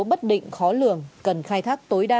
bất định khó lường cần khai thác tối đa